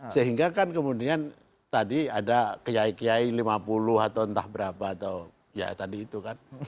sehingga kan kemudian tadi ada kiai kiai lima puluh atau entah berapa atau ya tadi itu kan